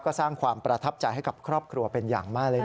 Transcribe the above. ก็สร้างความประทับใจให้กับครอบครัวเป็นอย่างมากเลยนะ